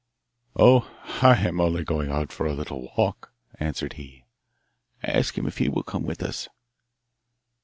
'Oh, I am only going out for a little walk,' answered he. 'Ask him if he will come with us.